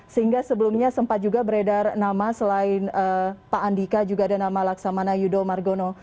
sehingga sebelumnya sempat juga beredar nama selain pak andika juga ada nama laksamana yudho margono